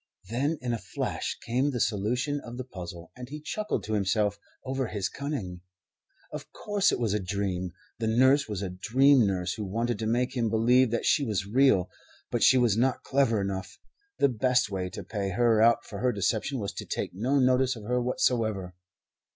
Then in a flash came the solution of the puzzle, and he chuckled to himself over his cunning. Of course it was a dream. The nurse was a dream nurse, who wanted to make him believe that she was real. But she was not clever enough. The best way to pay her out for her deception was to take no notice of her whatsoever.